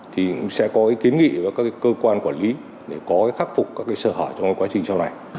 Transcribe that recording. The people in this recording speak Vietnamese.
thì cũng sẽ có kiến nghị với các cơ quan quản lý để có khắc phục các sở hở trong quá trình sau này